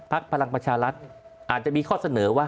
พรรณประชาธิปัตธ์อาจจะมีข้อเสนอว่า